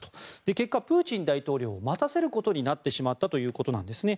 結果、プーチン大統領を待たせることになってしまったということなんですね。